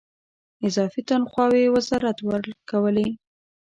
اضافي تنخواوې وزارت ورکولې.